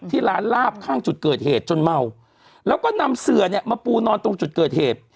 ที่ร้านลาบข้างจุดเกิดเหตุจนเมาแล้วก็นำเสือเนี่ยมาปูนอนตรงจุดเกิดเหตุ